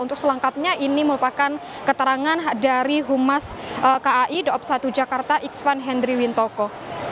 untuk selengkapnya ini merupakan keterangan dari humas kai daob satu jakarta iksan hendry wintoko